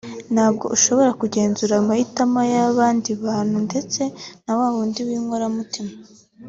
Ntabwo ushobora kugenzura amahitamo y’abandi bantu ndetse na wa wundi w’inkoramutima